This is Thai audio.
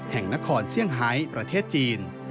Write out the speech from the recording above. แห่งนครเซี่ยงไฮประเทศจีน